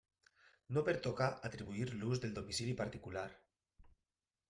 No pertoca atribuir l'ús del domicili particular.